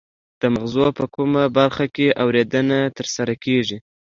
د مغزو په کومه برخه کې اوریدنه ترسره کیږي